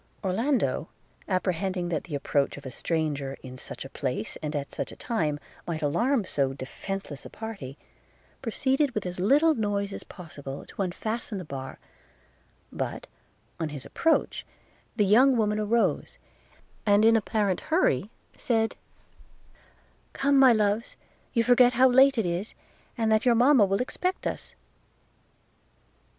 Orlando, apprehending that the approach of a stranger, in such a place, and at such a time, might alarm so defenceless a party, proceeded with as little noise as possible to unfasten the bar; but, on his approach, the young woman arose, and in apparent hurry said, 'Come, my loves! you forget how late it is, and that your mama will expect us.'